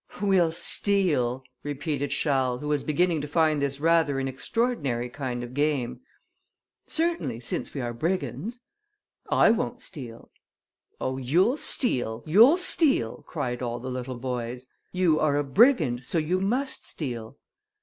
"We'll steal!" repeated Charles, who was beginning to find this rather an extraordinary kind of game. "Certainly, since we are brigands." "I won't steal." "Oh, you'll steal, you'll steal," cried all the little boys. "You are a brigand, so you must steal."